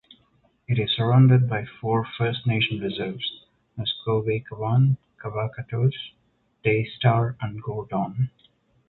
It is surrounded by four First Nation reserves: Muskowekwan, Kawacatoose, Daystar and Gordon.